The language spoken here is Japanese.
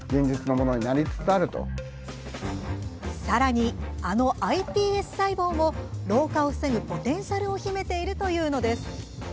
さらに、あのｉＰＳ細胞も老化を防ぐポテンシャルを秘めているというのです。